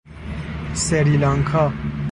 سریلانکا